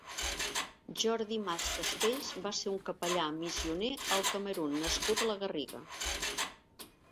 Jordi Mas Castells va ser un capellà missioner al Camerun nascut a la Garriga.